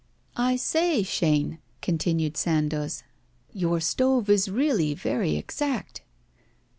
'I say, Chaîne,' continued Sandoz, 'your stove is really very exact.